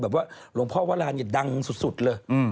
แบบว่าหลวงพ่อวัลลานี่ดังสุดเลย